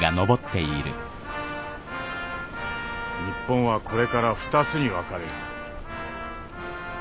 日本はこれから２つに分かれる。